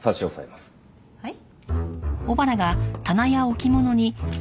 はい？